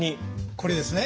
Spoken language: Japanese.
これですね。